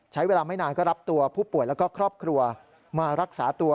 ใช้เวลาไม่นานก็รับตัวผู้ป่วยแล้วก็ครอบครัวมารักษาตัว